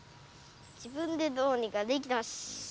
自分でどうにかできたし。